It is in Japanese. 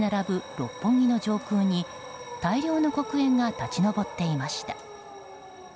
六本木の上空に大量の黒煙が立ち上っていました。